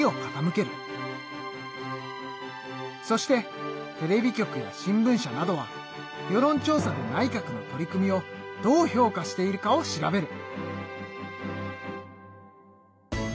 そしてテレビ局や新聞社などは世論調査で内閣の取り組みをどう評価しているかを調べる。